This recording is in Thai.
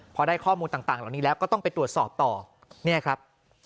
พอได้ข้อมูลต่างเหล่านี้แล้วก็ต้องไปตรวจสอบต่อเนี่ยครับ